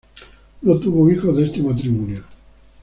No tuvo hijos de este matrimonio.